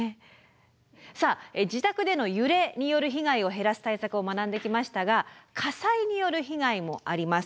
さあ自宅での揺れによる被害を減らす対策を学んできましたが火災による被害もあります。